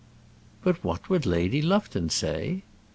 "But what would Lady Lufton say?"